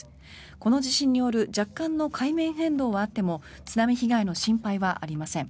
この地震による若干の海面変動はあっても津波被害の心配はありません。